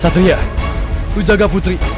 satria lu jaga putri